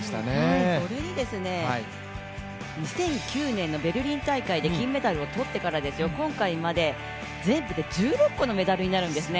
それに２００９年のベルリン大会で金メダルを取ってから今回まで全部で１６個のメダルになるんですね。